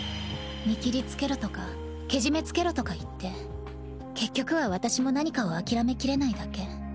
見切りつけろとかケジメつけろとか言って結局は私も何かを諦めきれないだけ。